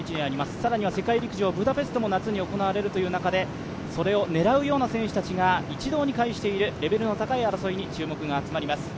更には世界陸上ブダペスト夏には行われるという中でそれを狙うような選手たちが一堂に会しているレベルの高い争いに注目が集まります。